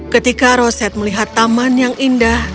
ketika roset melihat taman yang indah